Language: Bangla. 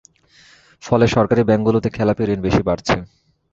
ফলে সরকারি ব্যাংকগুলোতে খেলাপি ঋণ বেশি বাড়ছে।